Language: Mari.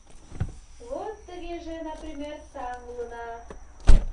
Вот, тыгеже, например, таҥ улына.